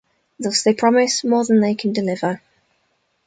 Thus they promise more than they can deliver.